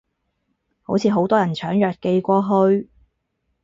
好似好多人搶藥寄過去